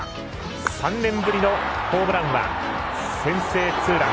３年ぶりのホームランは先制ツーラン。